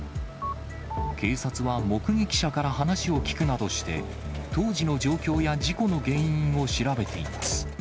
警察は、目撃者から話を聴くなどして、当時の状況や事故の原因を調べています。